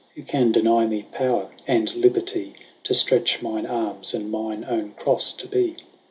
Who can deny mee power, and liberty To ftretch mine armes, and mine owne CroiTe to be?